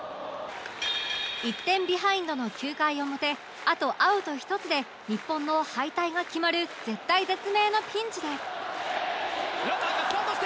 １点ビハインドの９回表あとアウト１つで日本の敗退が決まる絶体絶命のピンチで